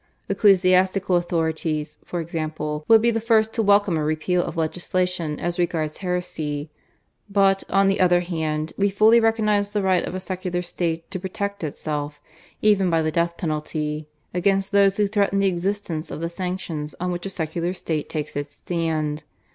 Ecclesiastical authorities, for example, would be the first to welcome a repeal of legislation as regards heresy; but, on the other hand, we fully recognize the right of a secular State to protect itself, even by the death penalty, against those who threaten the existence of the sanctions on which a secular State takes its stand.